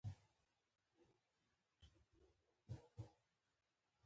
خدايي نبوغ درلود.